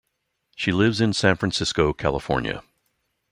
She lives in San Francisco, California.